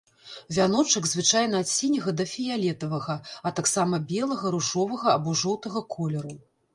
Вяночак звычайна ад сіняга да фіялетавага, а таксама белага, ружовага або жоўтага колеру.